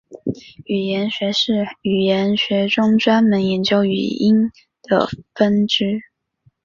语音学是语言学中专门研究语音的分支。